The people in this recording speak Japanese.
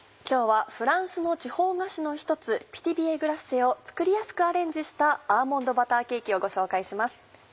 今日はフランスの地方菓子の一つピティヴィエグラッセを作りやすくアレンジした「アーモンドバターケーキ」をご紹介します。